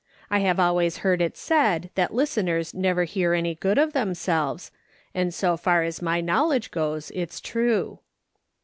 I have always heard it said that listeners never hear any good of themselves, and so far as my knowledge goes, it's true.